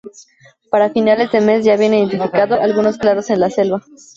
Para finales de mes ya habían identificado algunos claros en la selva.